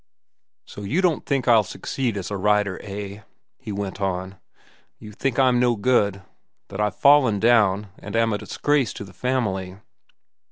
"So you don't think I'll succeed as a writer, eh?" he went on. "You think I'm no good?—that I've fallen down and am a disgrace to the family?"